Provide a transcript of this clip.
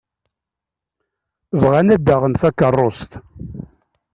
Bɣan ad d-aɣen takeṛṛust.